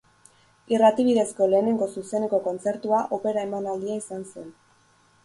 Irrati bidezko lehenengo zuzeneko kontzertua opera emanaldia izan zen.